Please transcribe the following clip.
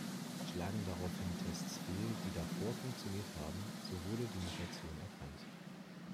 Schlagen daraufhin Tests fehl, die davor funktioniert haben, so wurde die Mutation erkannt.